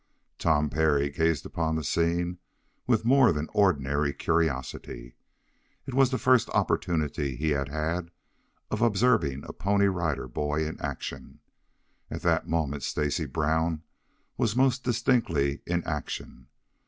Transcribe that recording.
Tom Parry gazed upon the scene with more than ordinary curiosity. It was the first opportunity he had had of observing a Pony Rider Boy in action. At that moment Stacy Brown was most distinctly in action.